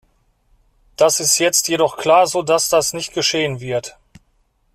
Das ist jetzt jedoch klar, so dass das nicht geschehen wird.